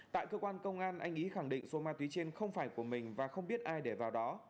tại cơ quan công an anh ý khẳng định số ma túy trên không phải của mình và không biết ai để vào đó